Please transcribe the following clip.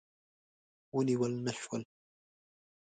ونیول نه شول.